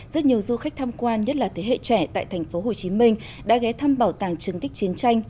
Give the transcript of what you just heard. rất nhiều du khách tham quan nhất là thế hệ trẻ tại thành phố hồ chí minh đã ghé thăm bảo tàng chứng tích chiến tranh